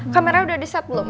kamera udah di set belum